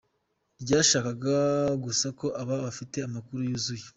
ryashakaga gusa ko aba afite amakuru yuzuye".